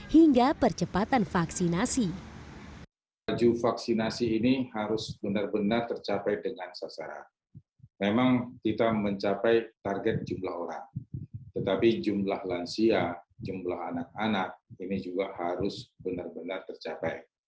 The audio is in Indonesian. hingga percepatan vaksinasi